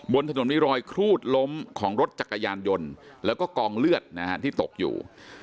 บนถนนมีรอยครูดล้มของรถจักรยานยนต์แล้วก็กองเลือดนะฮะที่ตกอยู่